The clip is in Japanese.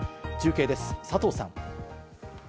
中継です、佐藤さん。